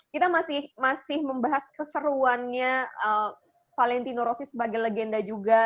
kita masih membahas keseruannya valentino rossi sebagai legenda juga